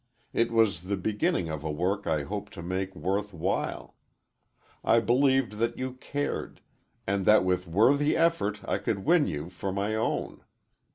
It was the beginning of a work I hoped to make worth while. I believed that you cared, and that with worthy effort I could win you for my own.